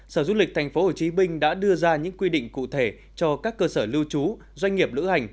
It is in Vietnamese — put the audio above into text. sở du lịch tp hcm đã đưa ra những quy định cụ thể cho các cơ sở lưu trú doanh nghiệp lữ hành